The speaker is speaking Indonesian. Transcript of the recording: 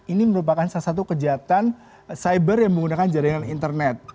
ini merupakan salah satu kejahatan cyber yang menggunakan jaringan internet